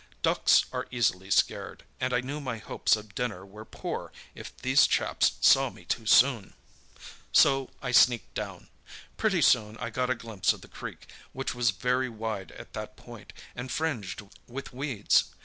Ducks are easily scared, and I knew my hopes of dinner were poor if these chaps saw me too soon. "So I sneaked down. Pretty soon I got a glimpse of the creek, which was very wide at that point, and fringed with weeds.